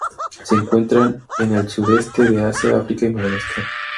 Se encuentran en el Sudeste de Asia, África y Madagascar.